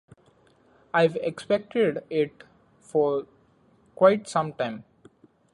I've expected it for quite some time.